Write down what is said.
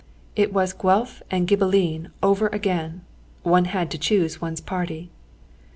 It was Guelph and Ghibelline over again. One had to choose one's party.